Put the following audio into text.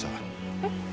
えっ？